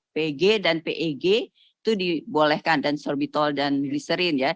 pg dan peg itu dibolehkan dan sorbitol dan gliserin ya